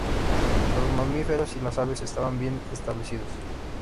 Los mamíferos y las aves estaban bien establecidos.